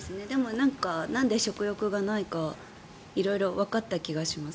なんで食欲がないか色々わかった気がします。